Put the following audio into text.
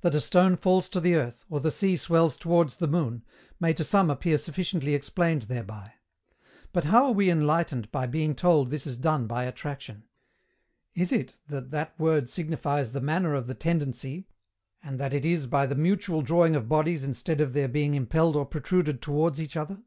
That a stone falls to the earth, or the sea swells towards the moon, may to some appear sufficiently explained thereby. But how are we enlightened by being told this is done by attraction? Is it that that word signifies the manner of the tendency, and that it is by the mutual drawing of bodies instead of their being impelled or protruded towards each other?